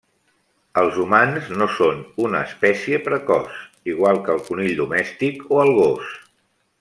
Els humans no són una espècie precoç, igual que el conill domèstic o el gos.